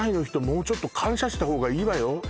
もうちょっと感謝したほうがいいわよ